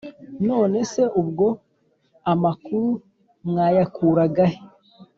none se ubwo amakuru mwayakuraga he?